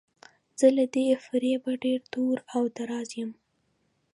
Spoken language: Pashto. زه له دې فریبه ډیر دور او دراز یم.